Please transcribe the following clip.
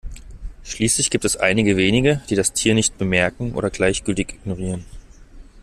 Schließlich gibt es einige wenige, die das Tier nicht bemerken oder gleichgültig ignorieren.